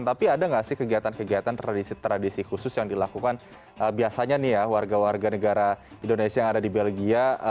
tapi ada nggak sih kegiatan kegiatan tradisi tradisi khusus yang dilakukan biasanya nih ya warga warga negara indonesia yang ada di belgia